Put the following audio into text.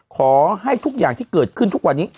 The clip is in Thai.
ขอให้ทุกอย่างที่เกิดขึ้นทุกวันนี้